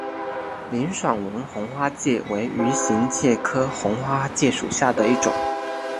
林爽文红花介为鱼形介科红花介属下的一个种。